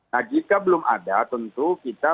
nah jika belum ada tentu kita